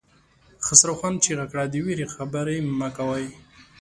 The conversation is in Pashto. خسرو خان چيغه کړه! د وېرې خبرې مه کوئ!